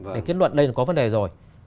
để kết luận đây có vấn đề rồi